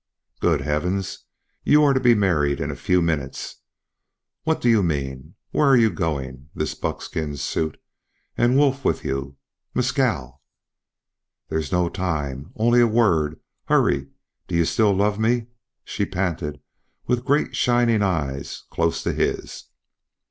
"Good heavens! You are to be married in a few minutes What do you mean? Where are you going? this buckskin suit and Wolf with you Mescal!" "There's no time only a word hurry do you love me still?" she panted, with great shining eyes close to his.